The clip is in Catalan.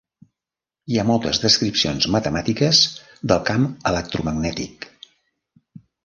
Hi ha moltes descripcions matemàtiques del camp electromagnètic.